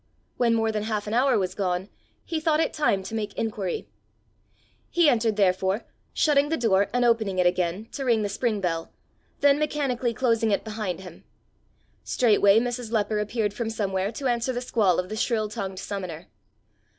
When more than half an hour was gone, he thought it time to make inquiry. He entered therefore, shutting the door and opening it again, to ring the spring bell, then mechanically closing it behind him. Straightway Mrs. Leper appeared from somewhere to answer the squall of the shrill tongued summoner.